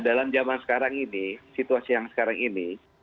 dalam zaman sekarang ini situasi yang sekarang ini